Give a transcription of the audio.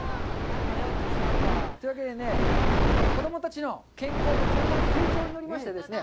というわけでね子供たちの健康と今後の成長を祈りましてですね